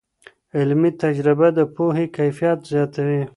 علمي تجربه د پوهې کیفیت زیاتوي.